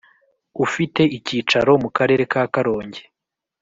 ufite icyicaro mu Karere ka karongi.